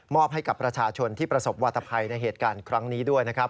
อบให้กับประชาชนที่ประสบวาตภัยในเหตุการณ์ครั้งนี้ด้วยนะครับ